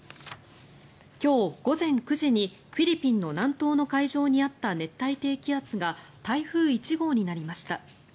今日午前９時にフィリピンの南東の海上にあった熱帯低気圧が台風１号になりました。